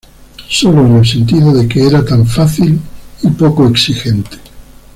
Sólo en el sentido de que era tan fácil y poco exigente".